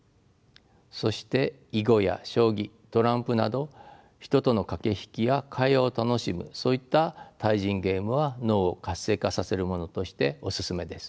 そして囲碁や将棋トランプなど人との駆け引きや会話を楽しむそういった対人ゲームは脳を活性化させるものとしておすすめです。